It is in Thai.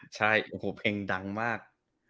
ใช่โอ้โหเพลงดังมาก